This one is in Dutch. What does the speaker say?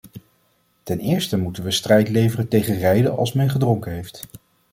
Ten eerste moeten we strijd leveren tegen rijden als men gedronken heeft.